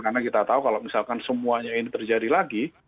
karena kita tahu kalau misalkan semuanya ini terjadi lagi